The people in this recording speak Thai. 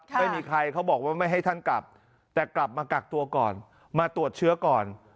ไม่มีใครเขาบอกว่าไม่ให้ท่านกลับแต่กลับมากักตัวก่อนมาตรวจเชื้อก่อน